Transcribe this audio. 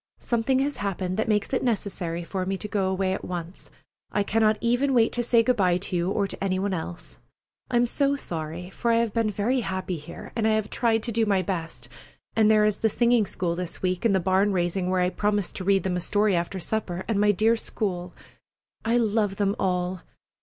Something has happened that makes it necessary for me to go away at once. I cannot even wait to say good by to you or any one else. I am so sorry, for I have been very happy here, and I have tried to do my best; and there is the singing school this week, and the barn raising where I promised to read them a story after supper, and my dear school! I love them all!